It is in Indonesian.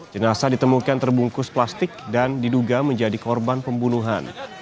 jenasa ditemukan terbungkus plastik dan diduga menjadi korban pembunuhan